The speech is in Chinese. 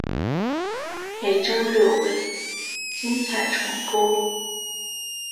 每周六为精彩重播。